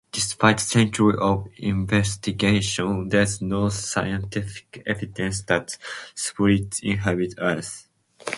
Despite centuries of investigation, there is no scientific evidence that spirits inhabit Earth.